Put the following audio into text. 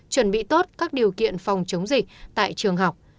chuẩn bị tốt các điều kiện phòng chống dịch tại trường học